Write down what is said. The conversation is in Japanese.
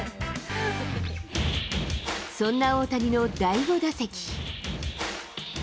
そんな大谷の第５打席。